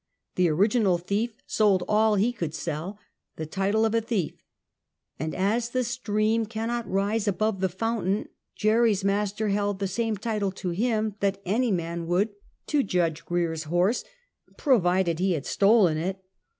The original thief sold all he could sell — the title of a thief — and as the stream cannot rise above the foun tain, Jerry's master held the same title to him that any man would to Judge Grier's horse, provided he had stolen it.